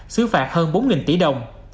xử phạt hơn bốn tỷ đồng